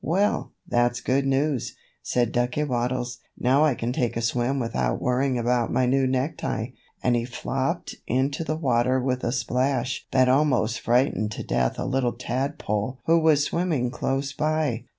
"Well, that's good news," said Ducky Waddles. "Now I can take a swim without worrying about my new necktie." And he flopped into the water with a splash that almost frightened to death a little tadpole who was swimming close by.